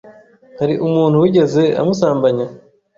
hari umuntu wigeze amusambanya?